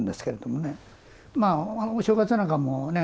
まぁお正月なんかもね